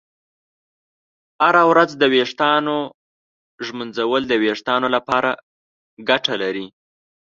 هره ورځ د ویښتانو ږمنځول د ویښتانو لپاره ګټه لري.